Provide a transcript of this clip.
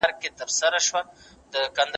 ايا تاسو ته د هغو خلکو خبرونه او قصې ندي رسيدلي؟